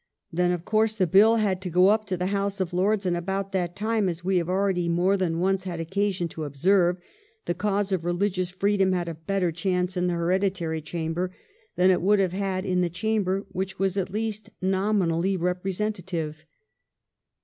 Then, of course, the Bill had to go up to the House of Lords, and about that time, as we have already more than once had occasion to observe, the cause of religious freedom had a better chance in the hereditary chamber than it would have had in the chamber which was at least nominally representative.